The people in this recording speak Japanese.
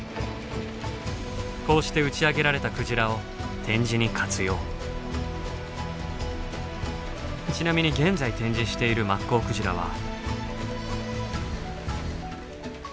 こうして打ち上げられたクジラをちなみに現在展示しているマッコウクジラは。